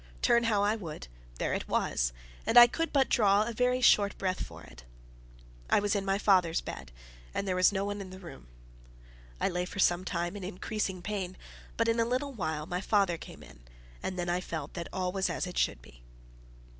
Turn how I would, there it was, and I could draw but a very short breath for it. I was in my father's bed, and there was no one in the room. I lay for some time in increasing pain; but in a little while my father came in, and then I felt that all was as it should be.